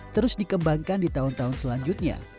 terus dikembangkan di tahun tahun selanjutnya